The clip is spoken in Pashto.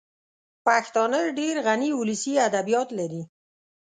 پښتانه ډېر غني ولسي ادبیات لري